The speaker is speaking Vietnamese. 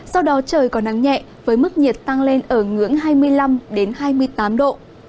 sau đó trời có nắng nhẹ với mức nhiệt tăng lên ở ngưỡng hai mươi năm hai mươi tám độ